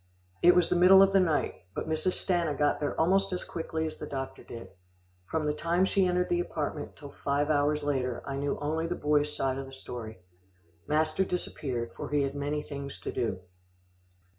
It was the middle of the night, but Mrs. Stanna got there almost as quickly as the doctor did. From the time she entered the apartment till five hours later, I knew only the boy's side of the story. Master disappeared, for he had many things to do.